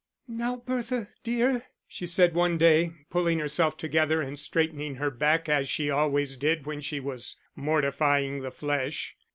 "Now, Bertha dear," she said one day, pulling herself together and straightening her back as she always did when she was mortifying the flesh.